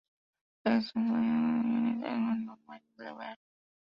Jack's chance comes when he is chased and trapped by a grizzly bear.